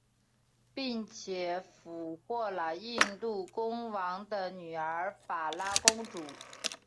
并且俘获了印度公王的女儿法拉公主。